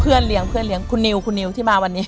เพื่อนเหลียงคุณนิวที่มาวันนี้